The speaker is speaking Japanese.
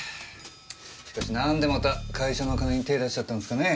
しかし何でまた会社の金に手出しちゃったんですかね？